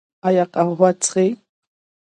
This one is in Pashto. ایا قهوه څښئ؟